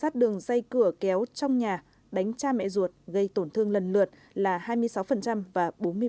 thường xây cửa kéo trong nhà đánh cha mẹ ruột gây tổn thương lần lượt là hai mươi sáu và bốn mươi bảy